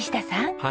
はい。